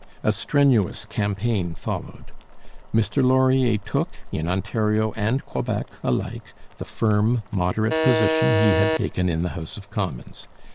A strenuous campaign followed. Mr Laurier took, in Ontario and Quebec alike, the firm, moderate position he had taken in the House of Commons.